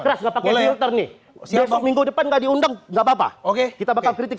keras enggak pakai filter nih minggu depan diundang nggak papa oke kita bakal kritik